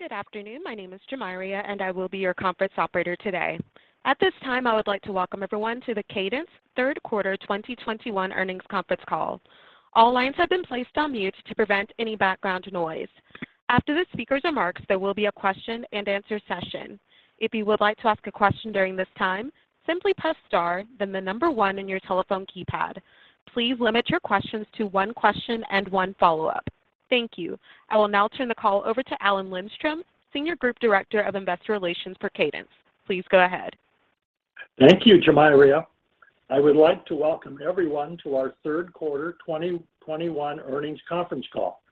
Good afternoon. My name is Jamyria, and I will be your conference operator today. At this time, I would like to welcome everyone to the Cadence third quarter 2021 earnings conference call. All lines have been placed on mute to prevent any background noise. After the speaker's remarks, there will be a question-and-answer session. If you would like to ask a question during this time, simply press star, then the number one on your telephone keypad. Please limit your questions to one question and one follow-up. Thank you. I will now turn the call over to Alan Lindstrom, Senior Group Director of Investor Relations for Cadence. Please go ahead. Thank you, Jamyria. I would like to welcome everyone to our third quarter 2021 earnings conference call.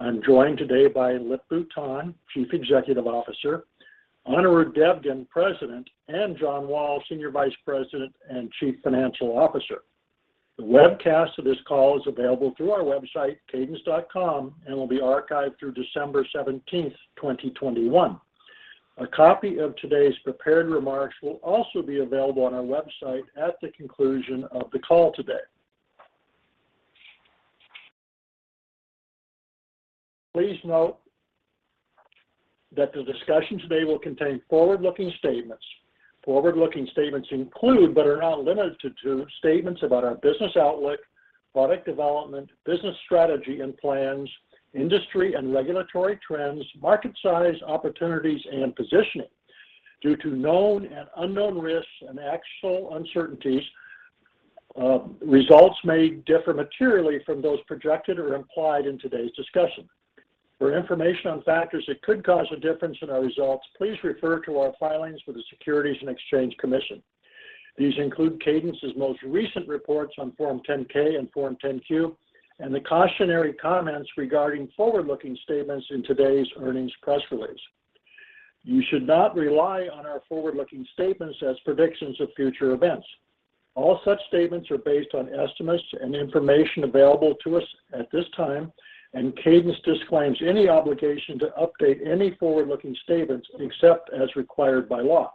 I'm joined today by Lip-Bu Tan, Chief Executive Officer, Anirudh Devgan, President, and John Wall, Senior Vice President and Chief Financial Officer. The webcast of this call is available through our website, cadence.com, and will be archived through December 17th, 2021. A copy of today's prepared remarks will also be available on our website at the conclusion of the call today. Please note that the discussion today will contain forward-looking statements. Forward-looking statements include, but are not limited to, statements about our business outlook, product development, business strategy and plans, industry and regulatory trends, market size, opportunities, and positioning. Due to known and unknown risks and actual uncertainties, results may differ materially from those projected or implied in today's discussion. For information on factors that could cause a difference in our results, please refer to our filings with the Securities and Exchange Commission. These include Cadence's most recent reports on Form 10-K and Form 10-Q, and the cautionary comments regarding forward-looking statements in today's earnings press release. You should not rely on our forward-looking statements as predictions of future events. All such statements are based on estimates and information available to us at this time, and Cadence disclaims any obligation to update any forward-looking statements, except as required by law.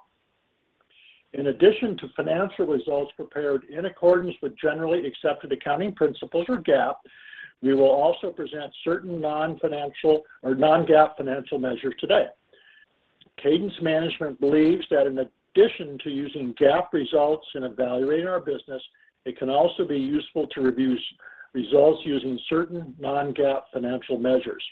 In addition to financial results prepared in accordance with Generally Accepted Accounting Principles, or GAAP, we will also present certain non-GAAP financial measures today. Cadence management believes that in addition to using GAAP results in evaluating our business, it can also be useful to review results using certain non-GAAP financial measures.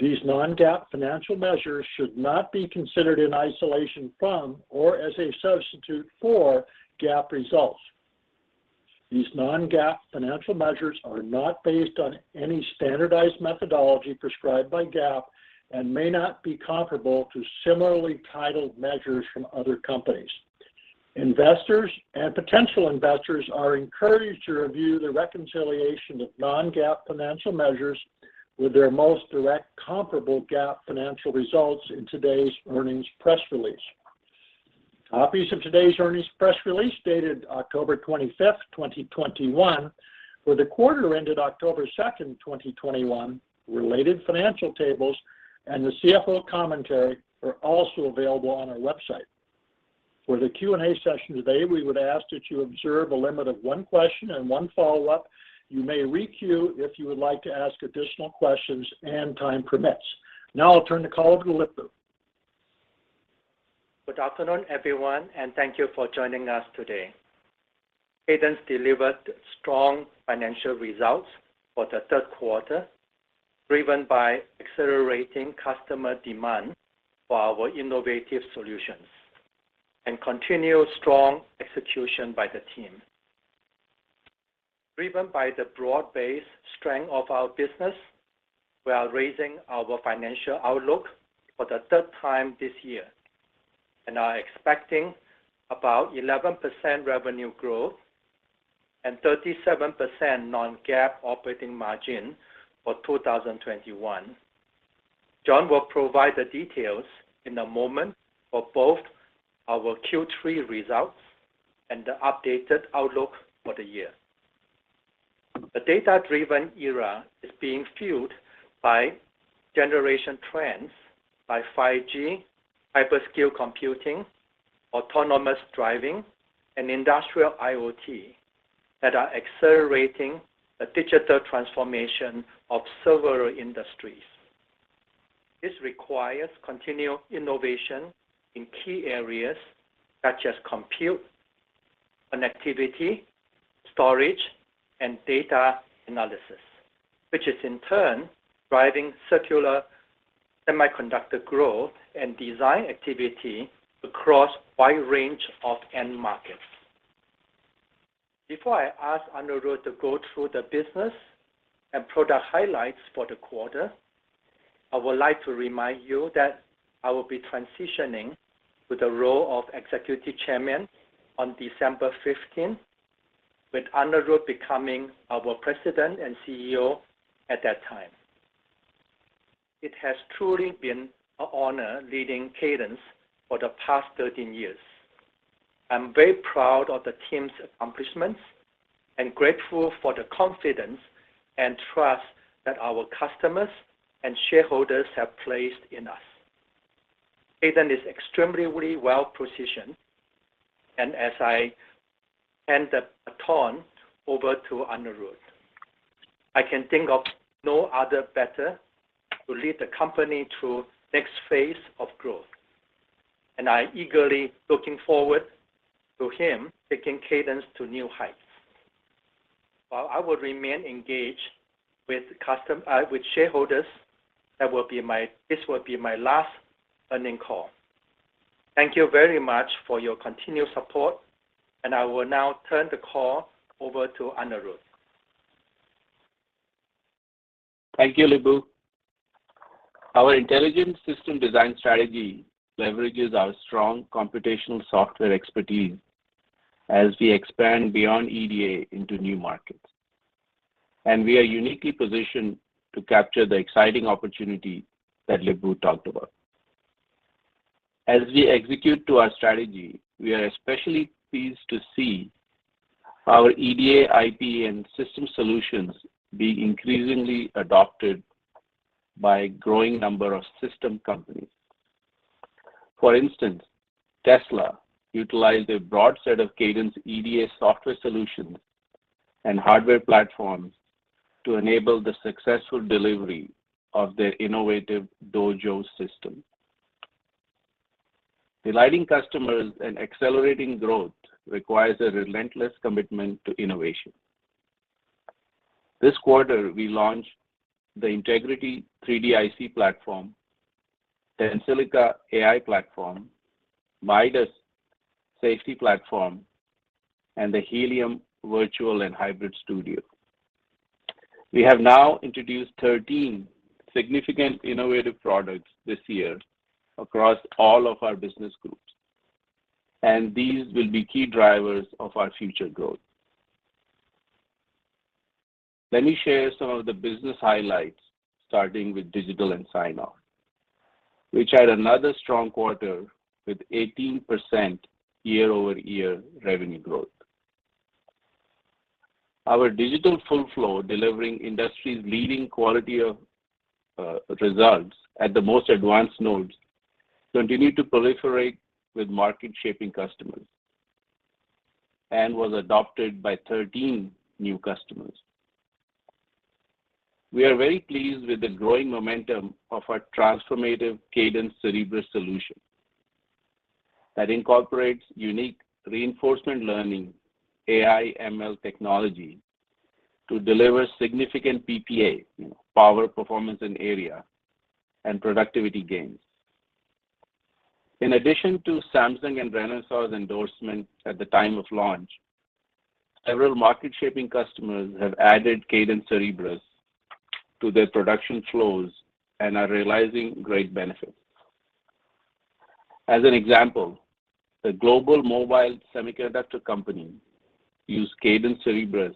These non-GAAP financial measures should not be considered in isolation from or as a substitute for GAAP results. These non-GAAP financial measures are not based on any standardized methodology prescribed by GAAP and may not be comparable to similarly titled measures from other companies. Investors and potential investors are encouraged to review the reconciliation of non-GAAP financial measures with their most direct comparable GAAP financial results in today's earnings press release. Copies of today's earnings press release dated October 25, 2021, for the quarter ended October 2, 2021, related financial tables, and the CFO commentary are also available on our website. For the Q&A session today, we would ask that you observe a limit of one question and one follow-up. You may re-queue if you would like to ask additional questions and time permits. Now I'll turn the call to Lip-Bu. Good afternoon, everyone, and thank you for joining us today. Cadence delivered strong financial results for the third quarter, driven by accelerating customer demand for our innovative solutions and continued strong execution by the team. Driven by the broad-based strength of our business, we are raising our financial outlook for the third time this year and are expecting about 11% revenue growth and 37% non-GAAP operating margin for 2021. John will provide the details in a moment for both our Q3 results and the updated outlook for the year. The data-driven era is being fueled by generation trends, by 5G, hyperscale computing, autonomous driving, and industrial IoT that are accelerating the digital transformation of several industries. This requires continued innovation in key areas such as compute, connectivity, storage, and data analysis, which is in turn driving secular semiconductor growth and design activity across a wide range of end markets. Before I ask Anirudh to go through the business and product highlights for the quarter, I would like to remind you that I will be transitioning to the role of Executive Chairman on December 15th, with Anirudh becoming our President and CEO at that time. It has truly been an honor leading Cadence for the past 13 years. I'm very proud of the team's accomplishments and grateful for the confidence and trust that our customers and shareholders have placed in us. Cadence is extremely well-positioned, and as I hand the baton over to Anirudh, I can think of no other better to lead the company through the next phase of growth, and I am eagerly looking forward to him taking Cadence to new heights. While I will remain engaged with shareholders, this will be my last earnings call. Thank you very much for your continued support, and I will now turn the call over to Anirudh. Thank you, Lip-Bu. Our intelligent system design strategy leverages our strong computational software expertise as we expand beyond EDA into new markets. We are uniquely positioned to capture the exciting opportunity that Lip-Bu talked about. As we execute to our strategy, we are especially pleased to see our EDA, IP, and system solutions being increasingly adopted by a growing number of system companies. For instance, Tesla utilized a broad set of Cadence EDA software solutions and hardware platforms to enable the successful delivery of their innovative Dojo system. Delighting customers and accelerating growth requires a relentless commitment to innovation. This quarter, we launched the Integrity 3D-IC Platform, Tensilica AI Platform, Midas Safety Platform, and the Helium Virtual and Hybrid Studio. We have now introduced 13 significant innovative products this year across all of our business groups. These will be key drivers of our future growth. Let me share some of the business highlights, starting with digital and sign-off, which had another strong quarter with 18% year-over-year revenue growth. Our digital full flow, delivering industry's leading quality of results at the most advanced nodes, continued to proliferate with market-shaping customers and was adopted by 13 new customers. We are very pleased with the growing momentum of our transformative Cadence Cerebrus solution that incorporates unique reinforcement learning AI/ML technology to deliver significant PPA, power, performance, and area, and productivity gains. In addition to Samsung and Renesas' endorsement at the time of launch, several market-shaping customers have added Cadence Cerebrus to their production flows and are realizing great benefits. As an example, a global mobile semiconductor company used Cadence Cerebrus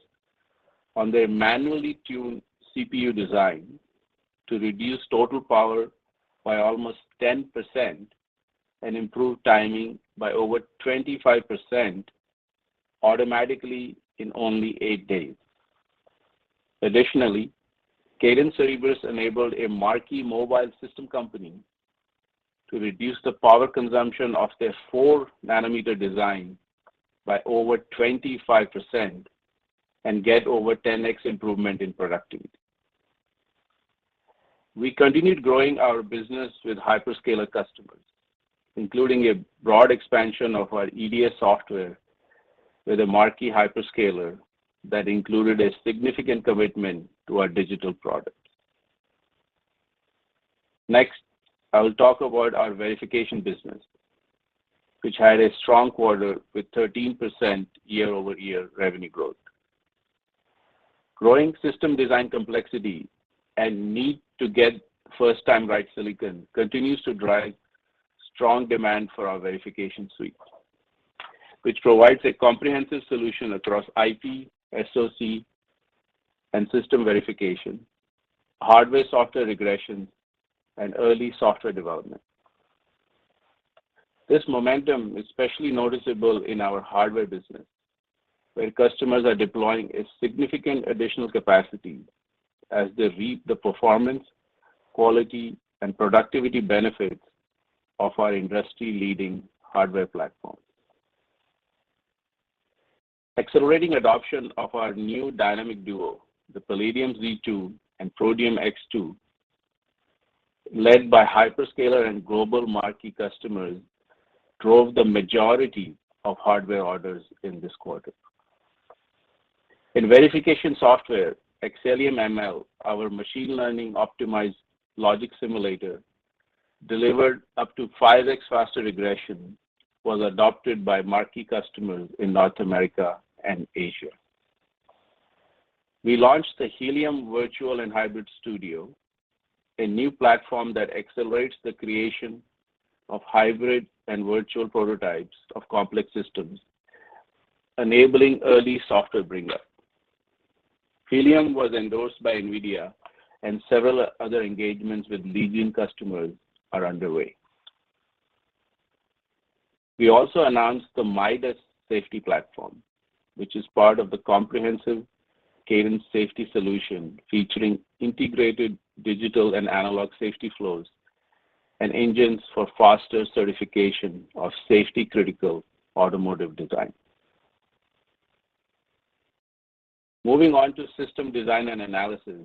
on their manually tuned CPU design to reduce total power by almost 10% and improve timing by over 25% automatically in only eight days. Additionally, Cadence Cerebrus enabled a marquee mobile system company to reduce the power consumption of their 4 nm design by over 25% and get over 10x improvement in productivity. We continued growing our business with hyperscaler customers, including a broad expansion of our EDA software with a marquee hyperscaler that included a significant commitment to our digital product. Next, I will talk about our verification business, which had a strong quarter with 13% year-over-year revenue growth. Growing system design complexity and need to get first-time right silicon continues to drive strong demand for our verification suite, which provides a comprehensive solution across IP, SoC, and system verification, hardware-software regression, and early software development. This momentum is especially noticeable in our hardware business, where customers are deploying a significant additional capacity as they reap the performance, quality, and productivity benefits of our industry-leading hardware platforms. Accelerating adoption of our new dynamic duo, the Palladium Z2 and Protium X2, led by hyperscaler and global marquee customers, drove the majority of hardware orders in this quarter. In verification software, Xcelium ML, our machine learning optimized logic simulator delivered up to 5x faster regression, was adopted by marquee customers in North America and Asia. We launched the Helium Virtual and Hybrid Studio, a new platform that accelerates the creation of hybrid and virtual prototypes of complex systems, enabling early software bring-up. Helium was endorsed by NVIDIA and several other engagements with leading customers are underway. We also announced the Midas Safety Platform, which is part of the comprehensive Cadence safety solution, featuring integrated digital and analog safety flows and engines for faster certification of safety-critical automotive design. Moving on to system design and analysis,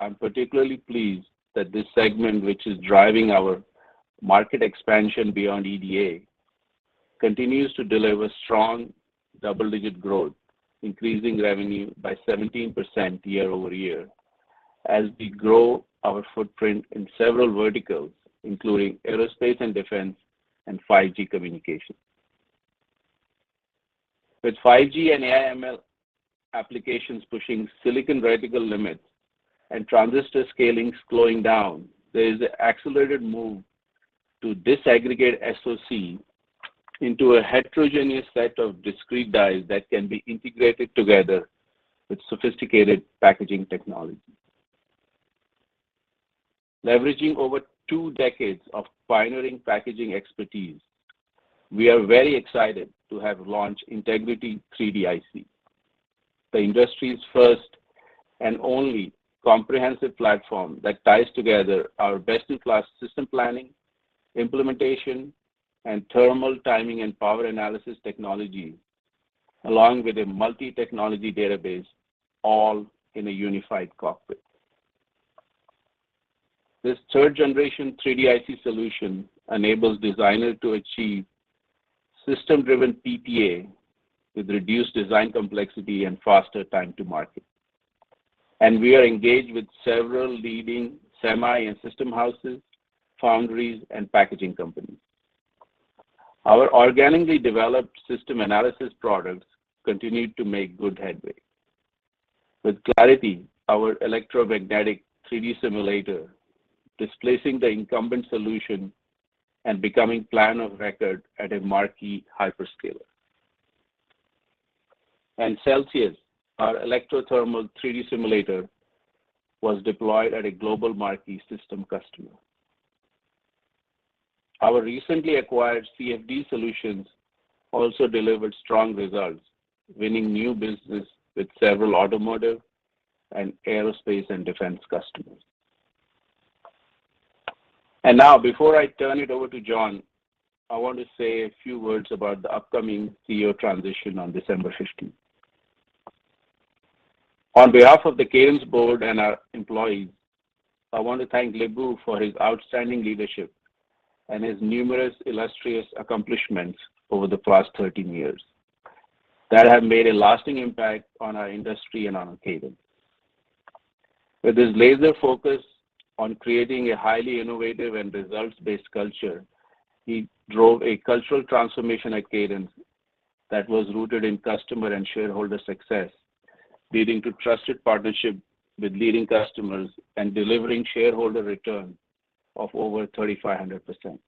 I'm particularly pleased that this segment, which is driving our market expansion beyond EDA, continues to deliver strong double-digit growth, increasing revenue by 17% year-over-year, as we grow our footprint in several verticals, including aerospace and defense and 5G communication. With 5G and AI/ML applications pushing silicon vertical limits and transistor scaling slowing down, there is an accelerated move to disaggregate SoC into a heterogeneous set of discrete dies that can be integrated together with sophisticated packaging technology. Leveraging over two decades of pioneering packaging expertise, we are very excited to have launched Integrity 3D-IC, the industry's first and only comprehensive platform that ties together our best-in-class system planning, implementation, and thermal timing and power analysis technology, along with a multi-technology database, all in a unified cockpit. This third-generation 3D-IC solution enables designers to achieve system-driven PPA with reduced design complexity and faster time to market. We are engaged with several leading semi and system houses, foundries, and packaging companies. Our organically developed system analysis products continued to make good headway. With Clarity, our electromagnetic 3D simulator, displacing the incumbent solution and becoming plan of record at a marquee hyperscaler. Celsius, our electro-thermal 3D simulator, was deployed at a global marquee system customer. Our recently acquired CFD solutions also delivered strong results, winning new business with several automotive and aerospace and defense customers. Now, before I turn it over to John, I want to say a few words about the upcoming CEO transition on December 15th. On behalf of the Cadence board and our employees, I want to thank Lip-Bu for his outstanding leadership and his numerous illustrious accomplishments over the past 13 years that have made a lasting impact on our industry and on Cadence. With his laser focus on creating a highly innovative and results-based culture, he drove a cultural transformation at Cadence that was rooted in customer and shareholder success, leading to trusted partnership with leading customers and delivering shareholder return of over 3,500%.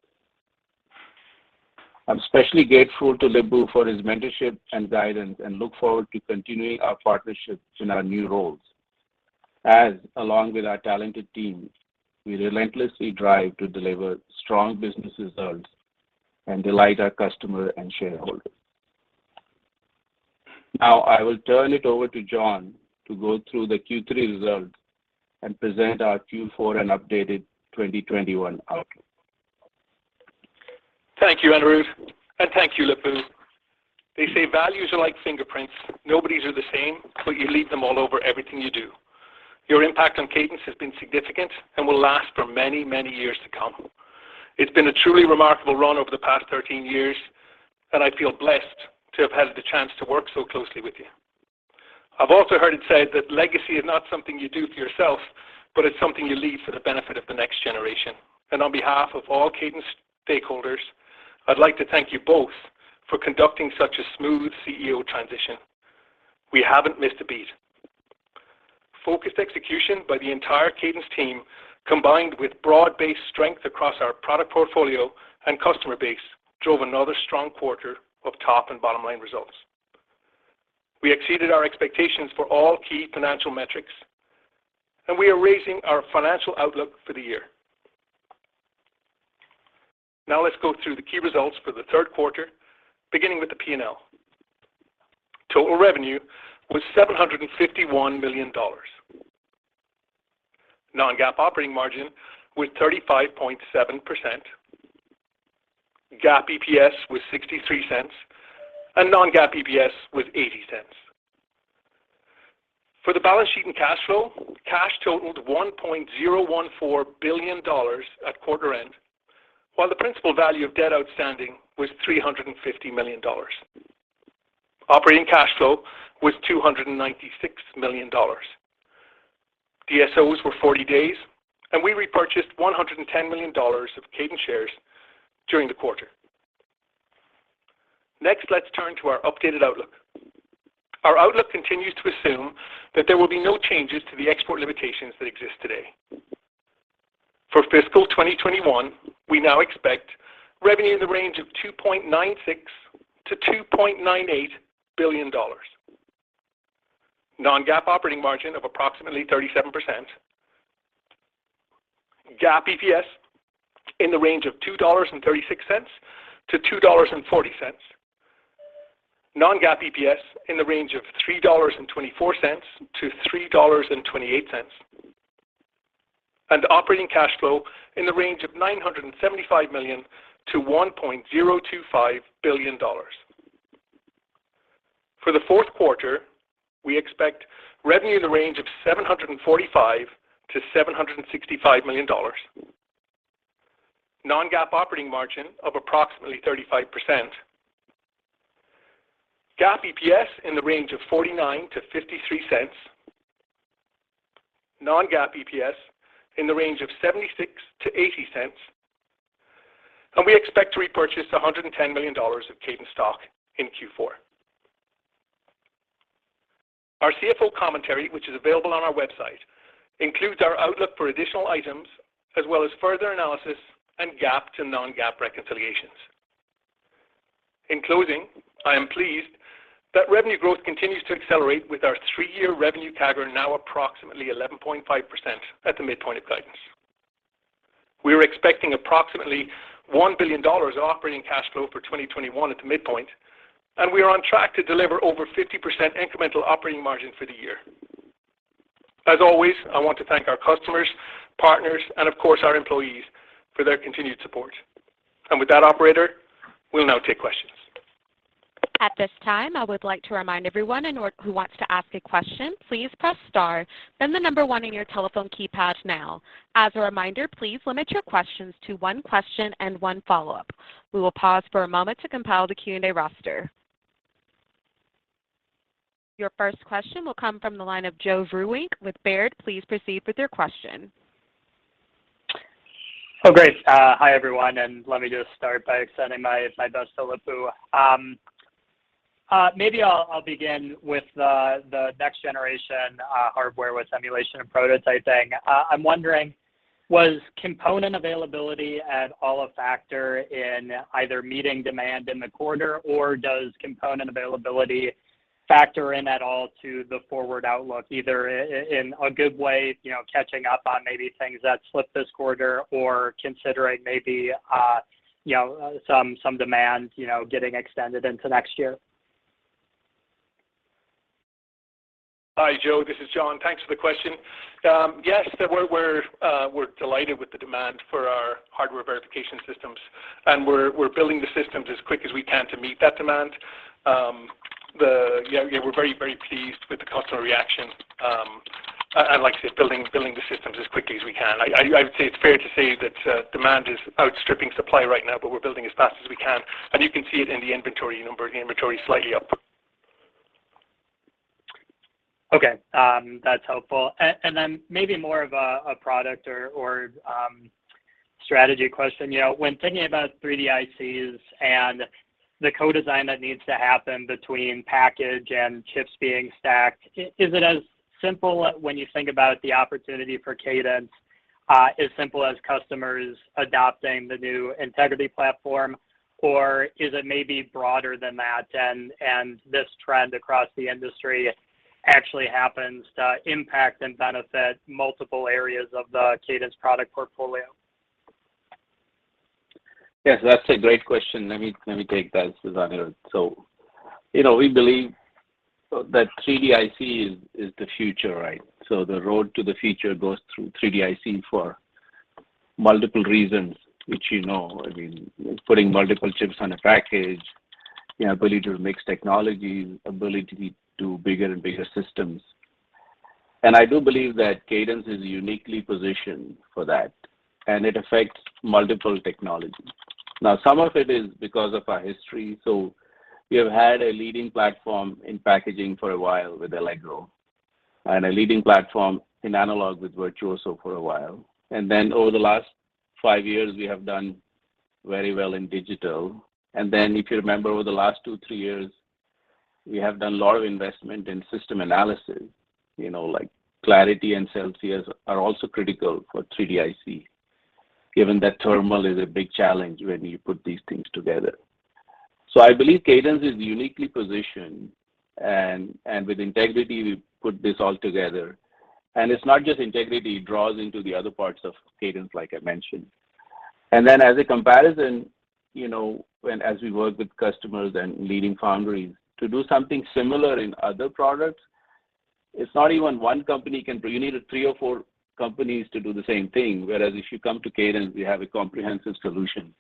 I'm especially grateful to Lip-Bu for his mentorship and guidance and look forward to continuing our partnership in our new roles as, along with our talented team, we relentlessly drive to deliver strong business results and delight our customer and shareholders. Now, I will turn it over to John to go through the Q3 results and present our Q4 and updated 2021 outlook. Thank you, Anirudh, and thank you, Lip-Bu. They say values are like fingerprints. Nobody's are the same, but you leave them all over everything you do. Your impact on Cadence has been significant and will last for many, many years to come. It's been a truly remarkable run over the past 13 years, and I feel blessed to have had the chance to work so closely with you. I've also heard it said that legacy is not something you do for yourself, but it's something you leave for the benefit of the next generation. On behalf of all Cadence stakeholders, I'd like to thank you both for conducting such a smooth CEO transition. We haven't missed a beat. Focused execution by the entire Cadence team, combined with broad-based strength across our product portfolio and customer base, drove another strong quarter of top and bottom-line results. We exceeded our expectations for all key financial metrics, and we are raising our financial outlook for the year. Now let's go through the key results for the third quarter, beginning with the P&L. Total revenue was $751 million. Non-GAAP operating margin was 35.7%. GAAP EPS was $0.63, and non-GAAP EPS was $0.80. For the balance sheet and cash flow, cash totaled $1.014 billion at quarter end, while the principal value of debt outstanding was $350 million. Operating cash flow was $296 million. DSOs were 40 days, and we repurchased $110 million of Cadence shares during the quarter. Next, let's turn to our updated outlook. Our outlook continues to assume that there will be no changes to the export limitations that exist today. For fiscal 2021, we now expect revenue in the range of $2.96 billion-$2.98 billion, non-GAAP operating margin of approximately 37%. GAAP EPS in the range of $2.36-$2.40. Non-GAAP EPS in the range of $3.24-$3.28. Operating cash flow in the range of $975 million-$1.025 billion. For the fourth quarter, we expect revenue in the range of $745 million-$765 million. Non-GAAP operating margin of approximately 35%. GAAP EPS in the range of $0.49-$0.53. Non-GAAP EPS in the range of $0.76-$0.80. We expect to repurchase $110 million of Cadence stock in Q4. Our CFO commentary, which is available on our website, includes our outlook for additional items, as well as further analysis and GAAP to non-GAAP reconciliations. In closing, I am pleased that revenue growth continues to accelerate with our three-year revenue CAGR now approximately 11.5% at the midpoint of guidance. We're expecting approximately $1 billion of operating cash flow for 2021 at the midpoint. We are on track to deliver over 50% incremental operating margin for the year. As always, I want to thank our customers, partners, and of course, our employees for their continued support. With that, operator, we'll now take questions. At this time, I would like to remind everyone who wants to ask a question, please press star, then the number one on your telephone keypad now. As a reminder, please limit your questions to one question and one follow-up. We will pause for a moment to compile the Q&A roster. Your first question will come from the line of Joe Vruwink with Baird. Please proceed with your question. Great. Hi everyone. Let me just start by extending my best to Lip-Bu. Maybe I'll begin with the next generation hardware with emulation and prototyping. I'm wondering, was component availability at all a factor in either meeting demand in the quarter, or does component availability factor in at all to the forward outlook, either in a good way, catching up on maybe things that slipped this quarter or considering maybe some demand getting extended into next year? Hi, Joe. This is John. Thanks for the question. Yes, we're delighted with the demand for our hardware verification systems, and we're building the systems as quick as we can to meet that demand. Yeah, we're very, very pleased with the customer reaction, and like I said, building the systems as quickly as we can. I would say it's fair to say that demand is outstripping supply right now, but we're building as fast as we can, and you can see it in the inventory number. The inventory's slightly up. Okay. That's helpful. Then maybe more of a product or strategy question. When thinking about 3D-ICs and the co-design that needs to happen between package and chips being stacked, is it as simple when you think about the opportunity for Cadence, as simple as customers adopting the new Integrity Platform, or is it maybe broader than that and this trend across the industry actually happens to impact and benefit multiple areas of the Cadence product portfolio? Yes, that's a great question. Let me take that. This is Anirudh. We believe that 3D-IC is the future, right? The road to the future goes through 3D-IC for multiple reasons, which you know. Putting multiple chips on a package, ability to mix technologies, ability to do bigger and bigger systems. I do believe that Cadence is uniquely positioned for that, and it affects multiple technologies. Some of it is because of our history. We have had a leading platform in packaging for a while with Allegro, and a leading platform in analog with Virtuoso for a while. Then over the last five years, we have done very well in digital. If you remember, over the last two, three years, we have done a lot of investment in system analysis, like Clarity and Celsius are also critical for 3D-IC, given that thermal is a big challenge when you put these things together. I believe Cadence is uniquely positioned, and with Integrity, we put this all together. It's not just Integrity, it draws into the other parts of Cadence, like I mentioned. As a comparison, when as we work with customers and leading foundries to do something similar in other products, it's not even one company can bring, you need three or four companies to do the same thing. Whereas if you come to Cadence, we have a comprehensive solution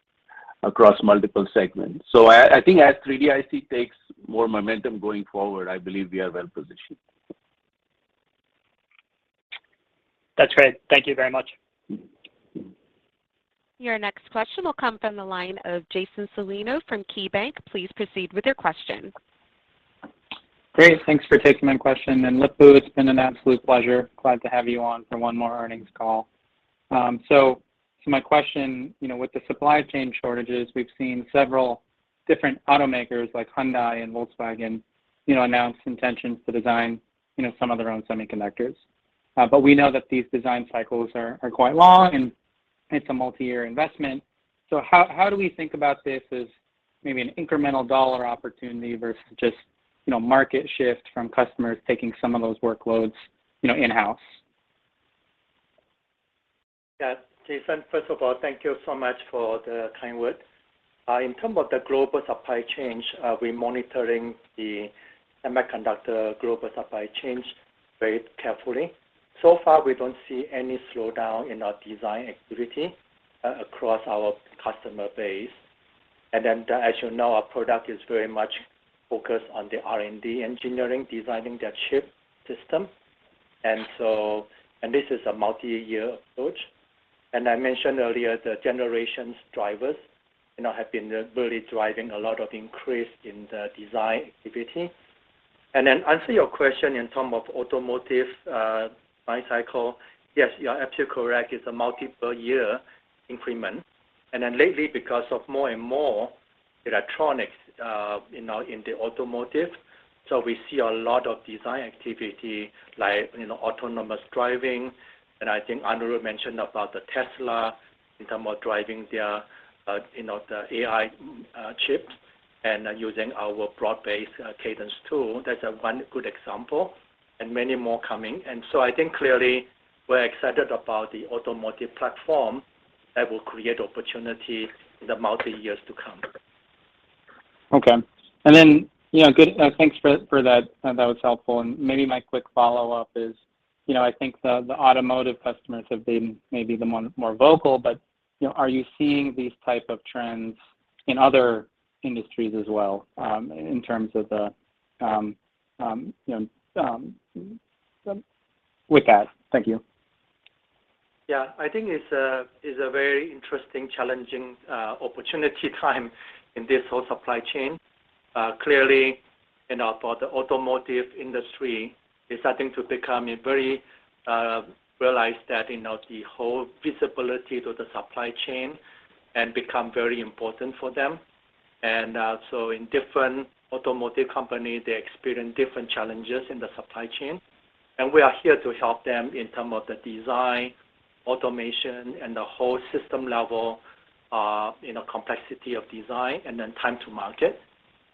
across multiple segments. I think as 3D-IC takes more momentum going forward, I believe we are well-positioned. That's great. Thank you very much. Your next question will come from the line of Jason Celino from KeyBanc. Please proceed with your question. Great. Thanks for taking my question. Lip-Bu, it's been an absolute pleasure. Glad to have you on for one more earnings call. My question, with the supply chain shortages, we've seen several different automakers like Hyundai and Volkswagen announce intentions to design some of their own semiconductors. We know that these design cycles are quite long, and it's a multi-year investment. How do we think about this as maybe an incremental dollar opportunity versus just market shift from customers taking some of those workloads in-house? Jason, first of all, thank you so much for the kind words. In terms of the global supply chain, we're monitoring the semiconductor global supply chain very carefully. So far, we don't see any slowdown in our design activity across our customer base. As you know, our product is very much focused on the R&D engineering, designing their chip system. This is a multi-year approach. I mentioned earlier the generations drivers have been really driving a lot of increase in the design activity. To answer your question in terms of automotive life cycle, yes, you are absolutely correct. It's a multiple year increment. Lately, because of more and more electronics in the automotive, we see a lot of design activity like autonomous driving. I think Anirudh mentioned about the Tesla in terms of driving their AI chips and using our broad-based Cadence tool. That's one good example, and many more coming. I think clearly we're excited about the automotive platform that will create opportunity in the multi-years to come. Okay. Thanks for that. That was helpful. Maybe my quick follow-up is, I think the automotive customers have been maybe the more vocal, but are you seeing these type of trends in other industries as well in terms of the, with that? Thank you. I think it's a very interesting, challenging opportunity time in this whole supply chain. Clearly, for the automotive industry, it's starting to become very realized that the whole visibility to the supply chain and become very important for them. In different automotive companies, they experience different challenges in the supply chain, and we are here to help them in terms of the design, automation, and the whole system level, complexity of design and then time to market.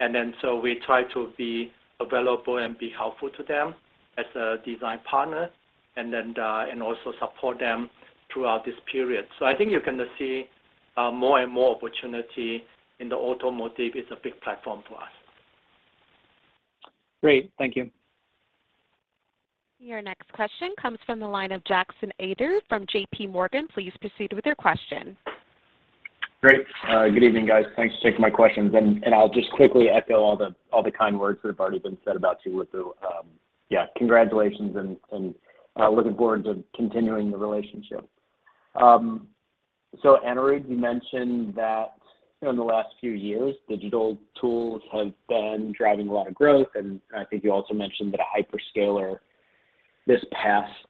We try to be available and be helpful to them as a design partner and also support them throughout this period. I think you're going to see more and more opportunity, and the automotive is a big platform for us. Great. Thank you. Your next question comes from the line of Jackson Ader from JPMorgan. Please proceed with your question. Great. Good evening, guys. Thanks for taking my questions. I'll just quickly echo all the kind words that have already been said about Lip-Bu. Yeah, congratulations, and looking forward to continuing the relationship. Anirudh, you mentioned that in the last few years, digital tools have been driving a lot of growth, and I think you also mentioned that a hyperscaler this past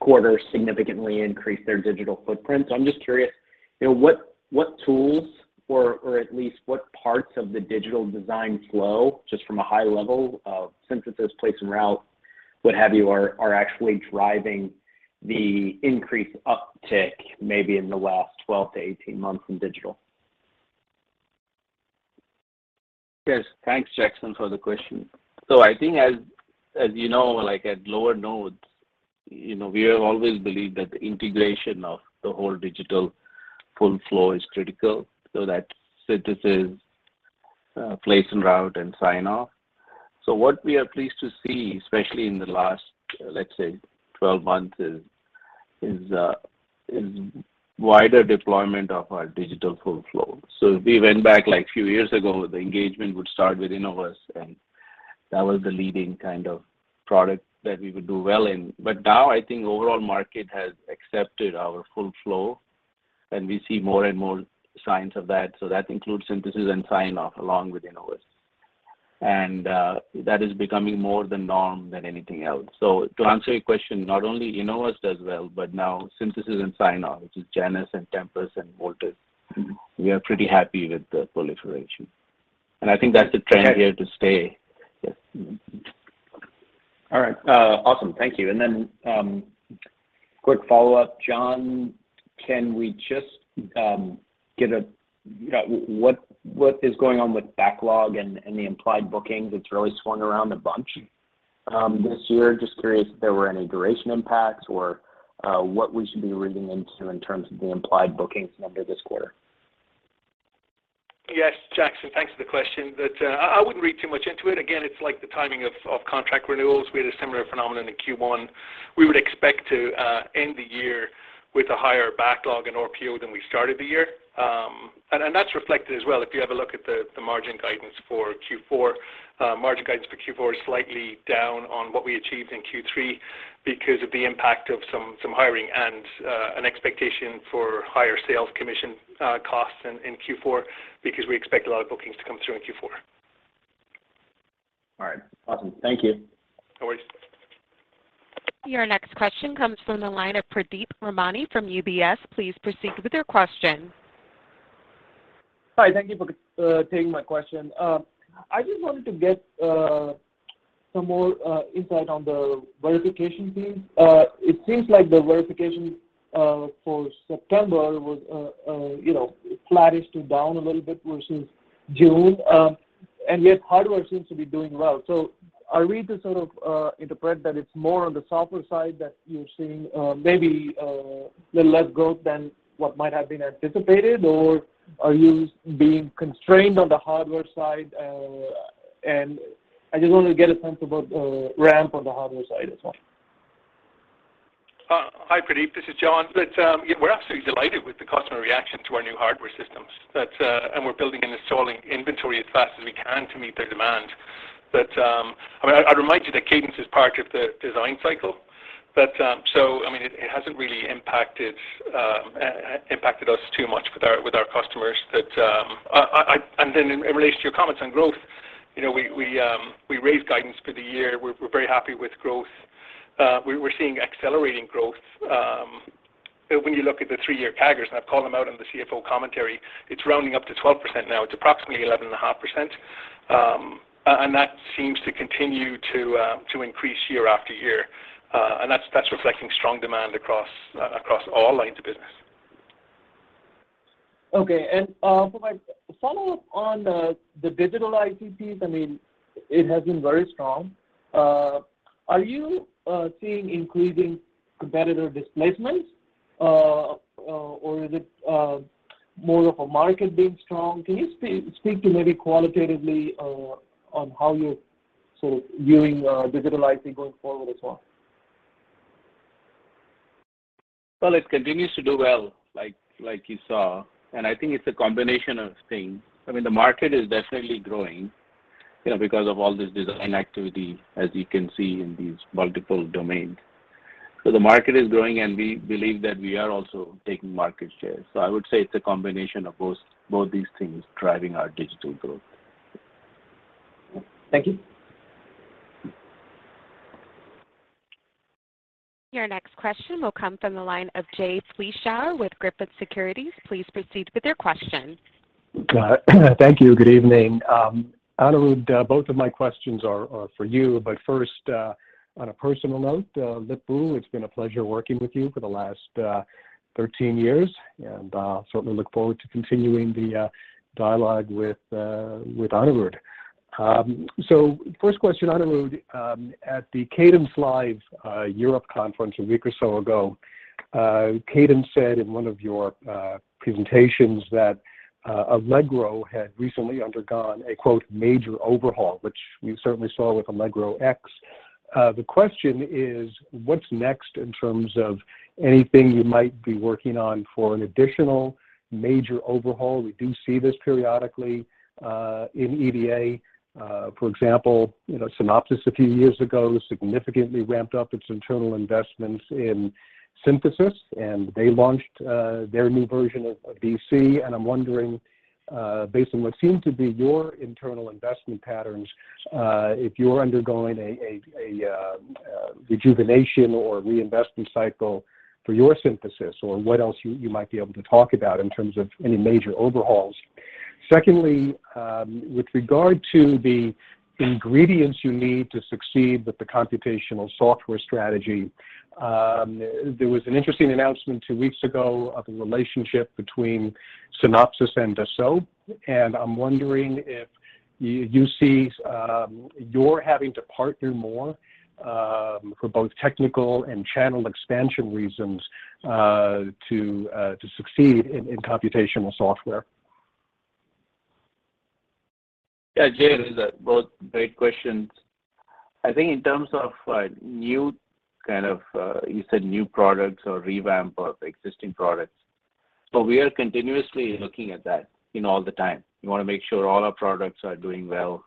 quarter significantly increased their digital footprint. I'm just curious, what tools, or at least what parts of the digital design flow, just from a high level of synthesis, place and route, what have you, are actually driving the increased uptick maybe in the last 12-18 months in digital? Yes. Thanks, Jackson, for the question. I think as you know, like at lower nodes, we have always believed that the integration of the whole digital full flow is critical. That synthesis, place and route, and sign-off. What we are pleased to see, especially in the last, let's say, 12 months, is wider deployment of our digital full flow. If we went back a few years ago, the engagement would start with Innovus, and that was the leading kind of product that we would do well in. Now I think the overall market has accepted our full flow, and we see more and more signs of that. That includes synthesis and sign-off along with Innovus. That is becoming more the norm than anything else. To answer your question, not only Innovus does well, but now synthesis and sign-off, which is Genus and Tempus and Voltus. We are pretty happy with the proliferation. I think that's the trend here to stay. Yes. All right. Awesome. Thank you. Quick follow-up, John, what is going on with backlog and the implied bookings? It's really swung around a bunch this year. Just curious if there were any duration impacts or what we should be reading into in terms of the implied bookings number this quarter. Yes. Jackson, thanks for the question. I wouldn't read too much into it. It's like the timing of contract renewals. We had a similar phenomenon in Q1. We would expect to end the year with a higher backlog in RPO than we started the year. That's reflected as well if you have a look at the margin guidance for Q4. Margin guidance for Q4 is slightly down on what we achieved in Q3 because of the impact of some hiring and an expectation for higher sales commission costs in Q4 because we expect a lot of bookings to come through in Q4. All right. Awesome. Thank you. No worries. Your next question comes from the line of Pradeep Ramani from UBS. Please proceed with your question. Hi. Thank you for taking my question. I just wanted to get some more insight on the verification piece. It seems like the verification for September flattish to down a little bit versus June, yet hardware seems to be doing well. Are we to sort of interpret that it's more on the software side that you're seeing maybe a little less growth than what might have been anticipated, or are you being constrained on the hardware side? I just want to get a sense about the ramp on the hardware side as well. Hi, Pradeep, this is John. We're absolutely delighted with the customer reaction to our new hardware systems, and we're building and installing inventory as fast as we can to meet their demand. I'd remind you that Cadence is part of the design cycle, so it hasn't really impacted us too much with our customers. In relation to your comments on growth, we raised guidance for the year. We're very happy with growth. We're seeing accelerating growth. When you look at the three-year CAGRs, and I've called them out on the CFO commentary, it's rounding up to 12%. Now it's approximately 11.5%, and that seems to continue to increase year after year. That's reflecting strong demand across all lines of business. Okay. For my follow-up on the digital IP piece, it has been very strong. Are you seeing increasing competitor displacement or is it more of a market being strong? Can you speak to maybe qualitatively on how you're sort of viewing digital IP going forward as well? Well, it continues to do well, like you saw. I think it's a combination of things. The market is definitely growing because of all this design activity, as you can see in these multiple domains. The market is growing. We believe that we are also taking market share. I would say it's a combination of both these things driving our digital growth. Thank you. Your next question will come from the line of Jay Vleeschhouwer with Griffin Securities. Please proceed with your question. Thank you. Good evening. Anirudh, both of my questions are for you. First, on a personal note, Lip-Bu, it's been a pleasure working with you for the last 13 years, and certainly look forward to continuing the dialogue with Anirudh. First question, Anirudh, at the CadenceLIVE Europe conference a week or so ago, Cadence said in one of your presentations that Allegro had recently undergone a quote, "major overhaul," which we certainly saw with Allegro X. The question is, what's next in terms of anything you might be working on for an additional major overhaul? We do see this periodically in EDA. For example, Synopsys a few years ago significantly ramped up its internal investments in synthesis, and they launched their new version of DC, and I'm wondering, based on what seemed to be your internal investment patterns, if you're undergoing a rejuvenation or reinvestment cycle for your synthesis or what else you might be able to talk about in terms of any major overhauls. Secondly, with regard to the ingredients you need to succeed with the computational software strategy, there was an interesting announcement two weeks ago of a relationship between Synopsys and Dassault, and I'm wondering if you see your having to partner more for both technical and channel expansion reasons to succeed in computational software. Yeah, Jay, those are both great questions. I think in terms of, you said new products or revamp of existing products. We are continuously looking at that all the time. We want to make sure all our products are doing well.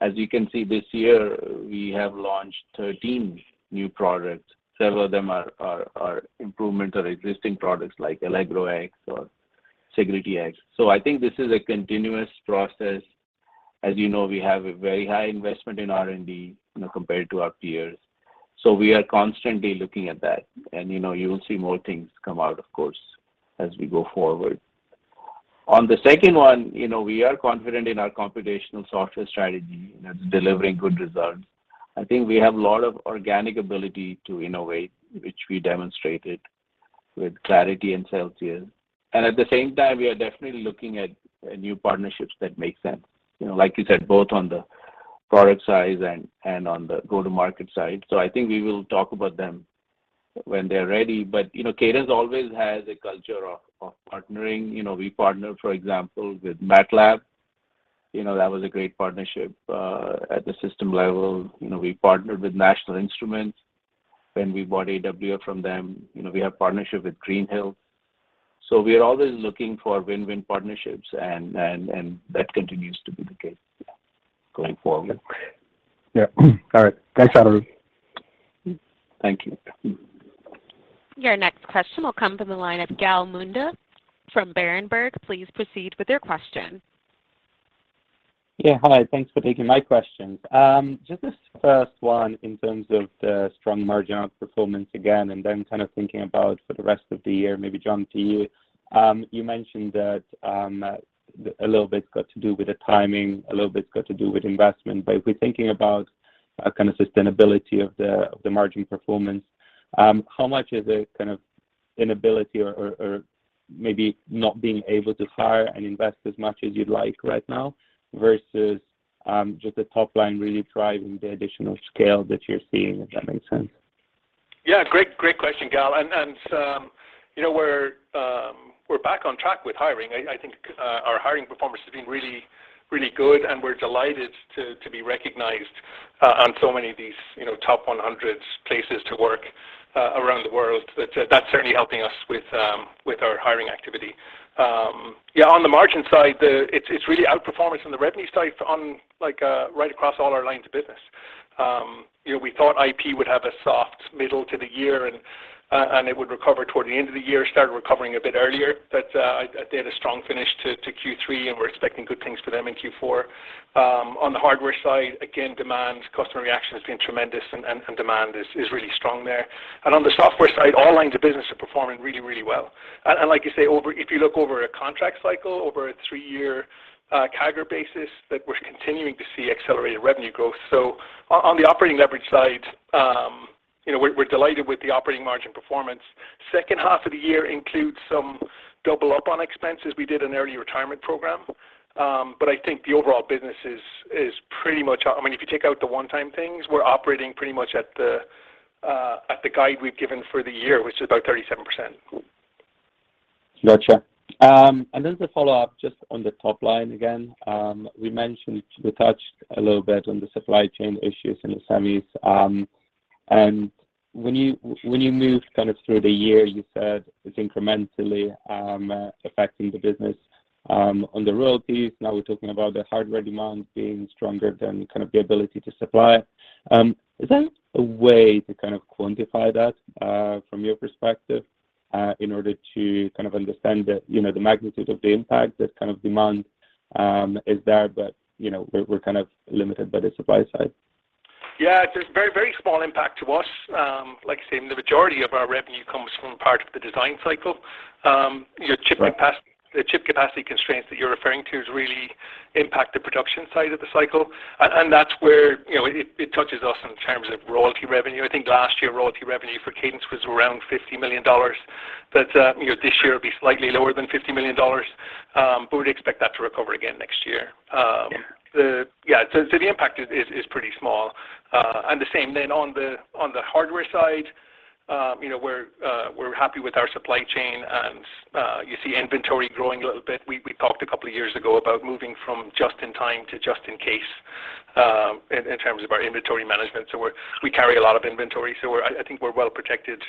As you can see this year, we have launched 13 new products. Several of them are improvement of existing products like Allegro X or Sigrity X. I think this is a continuous process. As you know, we have a very high investment in R&D compared to our peers. We are constantly looking at that, and you will see more things come out, of course, as we go forward. On the second one, we are confident in our computational software strategy, and it's delivering good results. I think we have a lot of organic ability to innovate, which we demonstrated with Clarity and Celsius. At the same time, we are definitely looking at new partnerships that make sense. Like you said, both on the product side and on the go-to-market side. I think we will talk about them when they're ready. Cadence always has a culture of partnering. We partner, for example, with MATLAB. That was a great partnership at the system level. We partnered with National Instruments when we bought AWR from them. We have partnership with Green Hills. We are always looking for win-win partnerships, and that continues to be the case going forward. Yeah. All right. Thanks, Anirudh. Thank you. Your next question will come from the line of Gal Munda from Berenberg. Please proceed with your question. Yeah. Hi. Thanks for taking my questions. Just this first one in terms of the strong marginal performance again, and then kind of thinking about for the rest of the year, maybe John, to you. You mentioned that a little bit's got to do with the timing, a little bit's got to do with investment. If we're thinking about a kind of sustainability of the margin performance, how much is a kind of inability or maybe not being able to hire and invest as much as you'd like right now versus just the top line really driving the additional scale that you're seeing, if that makes sense? Yeah. Great question, Gal, and we're back on track with hiring. I think our hiring performance has been really good, and we're delighted to be recognized on so many of these top 100 places to work around the world. That's certainly helping us with our hiring activity. On the margin side, it's really outperforming from the revenue side on right across all our lines of business. We thought IP would have a soft middle to the year and it would recover toward the end of the year, started recovering a bit earlier, but they had a strong finish to Q3, and we're expecting good things for them in Q4. On the hardware side, again, demand, customer reaction has been tremendous and demand is really strong there. On the software side, all lines of business are performing really, really well. Like you say, if you look over a contract cycle over a three-year CAGR basis, that we're continuing to see accelerated revenue growth. On the operating leverage side, we're delighted with the operating margin performance. Second half of the year includes some double up on expenses. We did an early retirement program. I think the overall business is pretty much, if you take out the one-time things, we're operating pretty much at the guide we've given for the year, which is about 37%. Got you. To follow up, just on the top line again, we touched a little bit on the supply chain issues in the semis. When you move kind of through the year, you said it's incrementally affecting the business on the royalties. Now we're talking about the hardware demand being stronger than kind of the ability to supply. Is there a way to kind of quantify that from your perspective in order to kind of understand the magnitude of the impact that kind of demand is there, but we're kind of limited by the supply side? Yeah. It's a very small impact to us. Like I say, the majority of our revenue comes from part of the design cycle. The chip capacity constraints that you're referring to has really impacted the production side of the cycle, that's where it touches us in terms of royalty revenue. I think last year, royalty revenue for Cadence was around $50 million. This year, it'll be slightly lower than $50 million. We'd expect that to recover again next year. Yeah. The impact is pretty small. The same on the hardware side, we're happy with our supply chain, and you see inventory growing a little bit. We talked a couple of years ago about moving from just in time to just in case, in terms of our inventory management. We carry a lot of inventory, so I think we're well-protected,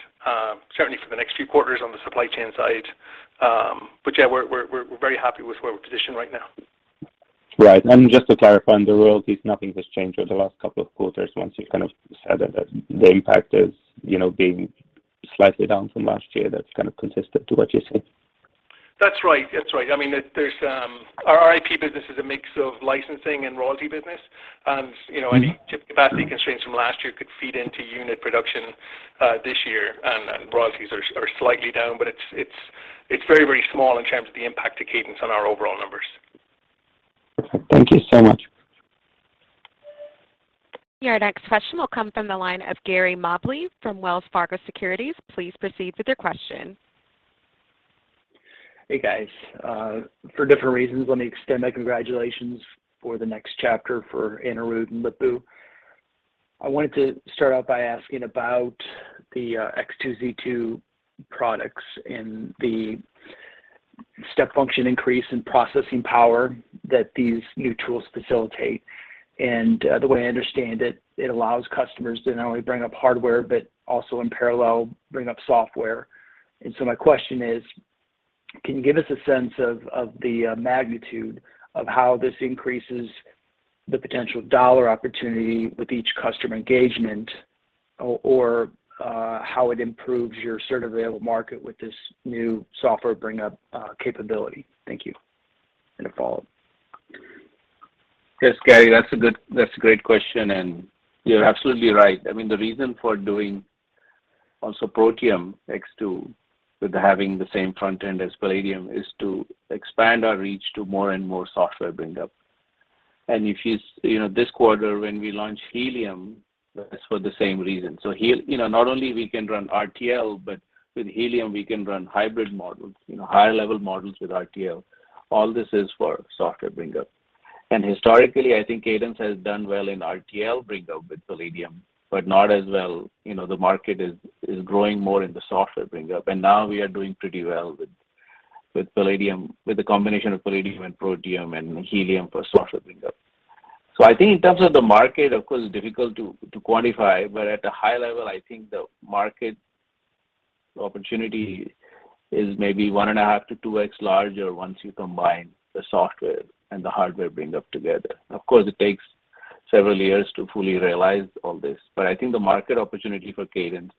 certainly for the next few quarters on the supply chain side. Yeah, we're very happy with where we're positioned right now. Right. Just to clarify on the royalties, nothing has changed over the last couple of quarters once you kind of said that the impact is being slightly down from last year. That's kind of consistent to what you're saying. That's right. Our IP business is a mix of licensing and royalty business. Any chip capacity constraints from last year could feed into unit production this year, and royalties are slightly down, but it's very, very small in terms of the impact to Cadence on our overall numbers. Thank you so much. Your next question will come from the line of Gary Mobley from Wells Fargo Securities. Please proceed with your question. Hey, guys. For different reasons, let me extend my congratulations for the next chapter for Anirudh and Lip-Bu. I wanted to start out by asking about the X2, Z2 products and the step function increase in processing power that these new tools facilitate. The way I understand it allows customers to not only bring up hardware, but also in parallel, bring up software. My question is: Can you give us a sense of the magnitude of how this increases the potential dollar opportunity with each customer engagement or how it improves your sort of available market with this new software bring-up capability? Thank you. And I have a follow-up. Yes, Gary, that's a great question, and you're absolutely right. The reason for doing also Protium X2 with having the same front end as Palladium is to expand our reach to more and more software bring-up. This quarter, when we launch Helium, that's for the same reason. Not only we can run RTL, but with Helium, we can run hybrid models, higher-level models with RTL. All this is for software bring-up. Historically, I think Cadence has done well in RTL bring-up with Palladium, but not as well. The market is growing more in the software bring-up, and now we are doing pretty well with the combination of Palladium and Protium and Helium for software bring-up. I think in terms of the market, of course, it's difficult to quantify, but at a high level, I think the market opportunity is maybe 1.5x-2x larger once you combine the software and the hardware bring-up together. Of course, it takes several years to fully realize all this, but I think the market opportunity for Cadence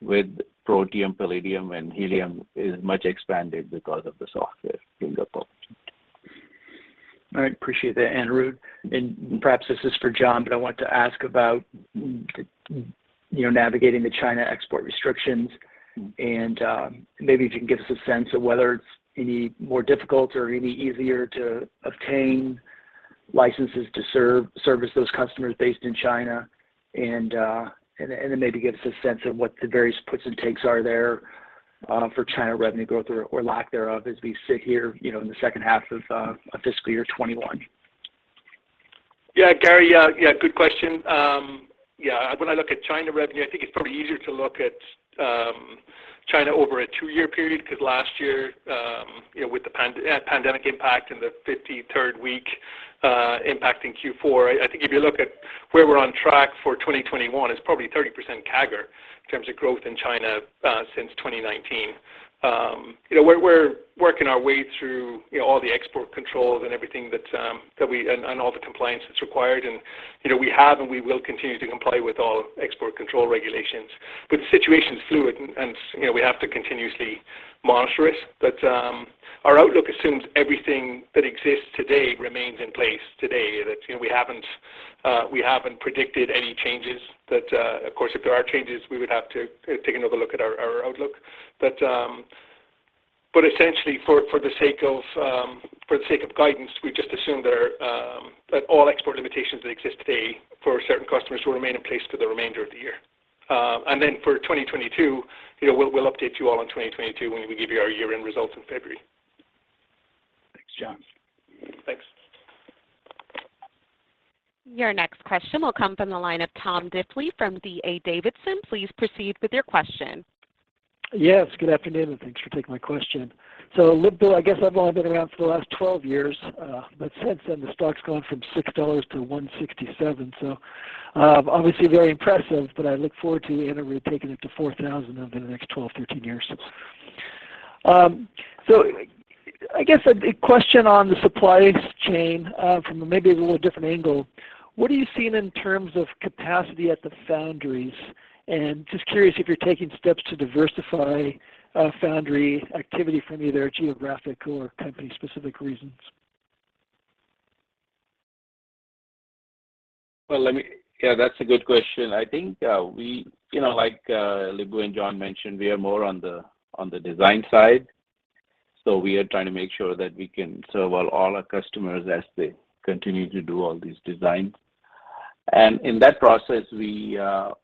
with Protium, Palladium, and Helium is much expanded because of the software bring-up opportunity. All right. Appreciate that, Anirudh. Perhaps this is for John, but I wanted to ask about the navigating the China export restrictions, and maybe if you can give us a sense of whether it's any more difficult or any easier to obtain licenses to service those customers based in China, and then maybe give us a sense of what the various puts and takes are there for China revenue growth or lack thereof as we sit here in the second half of fiscal year 2021. Gary. Good question. When I look at China revenue, I think it's probably easier to look at China over a two-year period because last year, with the pandemic impact and the 53rd week impacting Q4, I think if you look at where we're on track for 2021, it's probably 30% CAGR in terms of growth in China since 2019. We're working our way through all the export controls and everything and all the compliance that's required. We have, and we will continue to comply with all export control regulations. The situation is fluid and we have to continuously monitor it. Our outlook assumes everything that exists today remains in place today. We haven't predicted any changes. Of course, if there are changes, we would have to take another look at our outlook. Essentially, for the sake of guidance, we just assume that all export limitations that exist today for certain customers will remain in place for the remainder of the year. For 2022, we'll update you all on 2022 when we give you our year-end results in February. Thanks, John. Thanks. Your next question will come from the line of Tom Diffely from D.A. Davidson. Please proceed with your question. Good afternoon, and thanks for taking my question. Lip-Bu, I guess I've only been around for the last 12 years. Since then, the stock's gone from $6 to $167, so obviously very impressive, but I look forward to Anirudh taking it to $4,000 over the next 12, 13 years. I guess a question on the supply chain from maybe a little different angle. What are you seeing in terms of capacity at the foundries? Just curious if you're taking steps to diversify foundry activity from either geographic or company-specific reasons. That's a good question. I think like Lip-Bu and John mentioned, we are more on the design side, so we are trying to make sure that we can serve all our customers as they continue to do all these designs. In that process, we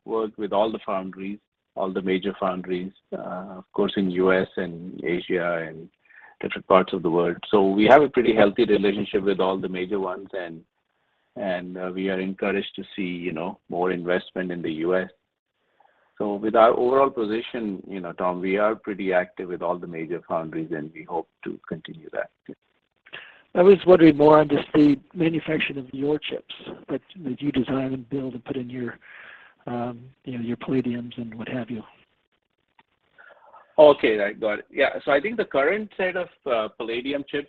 work with all the foundries, all the major foundries, of course, in the U.S. and Asia and different parts of the world. We have a pretty healthy relationship with all the major ones, and we are encouraged to see more investment in the U.S. With our overall position, Tom, we are pretty active with all the major foundries, and we hope to continue that. I was wondering more on just the manufacturing of your chips that you design and build and put in your Palladiums and what have you. Okay. I got it. Yeah. I think the current set of Palladium chips,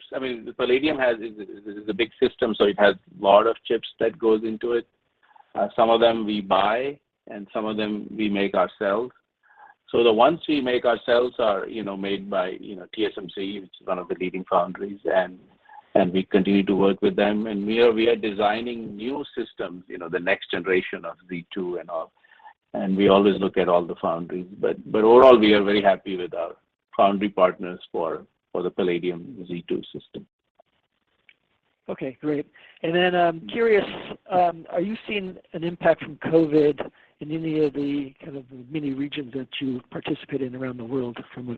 Palladium is a big system, so it has a lot of chips that goes into it. Some of them we buy, and some of them we make ourselves. The ones we make ourselves are made by TSMC. It's one of the leading foundries, and we continue to work with them. We are designing new systems, the next generation of Z2 and all, and we always look at all the foundries. Overall, we are very happy with our foundry partners for the Palladium Z2 system. Okay. Great. I'm curious, are you seeing an impact from COVID in any of the kind of many regions that you participate in around the world from